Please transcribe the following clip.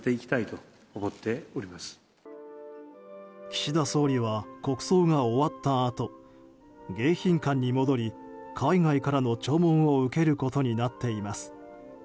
岸田総理は国葬が終わったあと迎賓館に戻り海外からの弔問を受けることになっています。